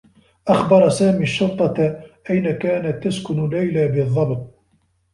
أخبر سامي الشّرطة أين كانت تسكن ليلى بالضّبط.